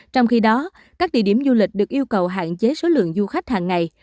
trong khi đó các địa điểm du lịch được yêu cầu hạn chế số lượng du khách hàng ngày